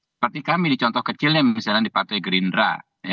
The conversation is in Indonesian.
seperti kami di contoh kecilnya misalnya di partai gerindra